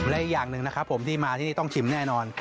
และอีกอย่างหนึ่งนะครับผมที่มาที่นี่ต้องชิมแน่นอน